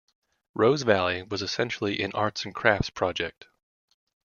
Rose Valley was essentially an arts and crafts project.